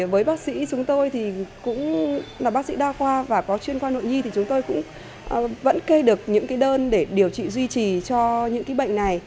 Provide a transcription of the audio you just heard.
với bác sĩ chúng tôi thì cũng là bác sĩ đa khoa và có chuyên khoa nội nhi thì chúng tôi cũng vẫn kê được những đơn để điều trị duy trì cho những bệnh này